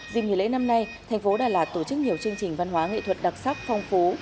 dìm nghỉ lễ năm nay thành phố đà lạt tổ chức nhiều chương trình văn hóa nghệ thuật đặc sắc phong phú